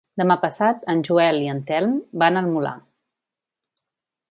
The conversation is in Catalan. Demà passat en Joel i en Telm van al Molar.